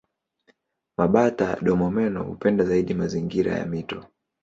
Mabata-domomeno hupenda zaidi mazingira ya mito.